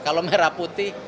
kalau merah putih